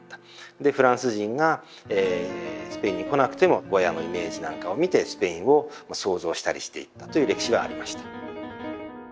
でフランス人がスペインに来なくてもゴヤのイメージなんかを見てスペインを想像したりしていったという歴史がありました。